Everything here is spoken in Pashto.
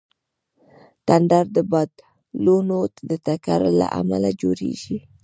تندر د بادلونو د ټکر له امله جوړېږي.